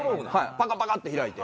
パカパカって開いて。